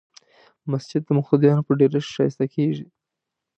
مسجد د مقتدیانو په ډېرښت ښایسته کېږي.